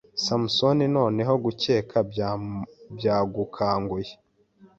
SamusoniNoneho gukeka byagukanguye